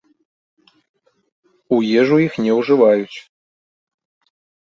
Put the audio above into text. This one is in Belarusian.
У ежу іх не ўжываюць.